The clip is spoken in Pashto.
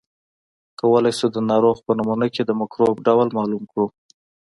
کولای شو د ناروغ په نمونه کې د مکروب ډول معلوم کړو.